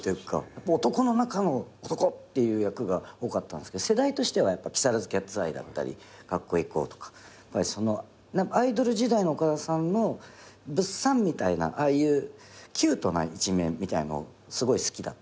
男の中の男！っていう役が多かったんですけど世代としてはやっぱ『木更津キャッツアイ』だったり『学校へ行こう！』とか。アイドル時代の岡田さんのぶっさんみたいなああいうキュートな一面みたいのすごい好きだったんですよね。